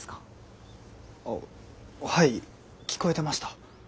あっはい聞こえてました。